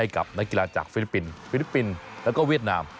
กับนักกีฬาจากฟิฟิลิปปินต์และเวียดนาม